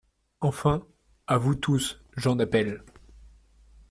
Enfin, à vous tous j’en appelle !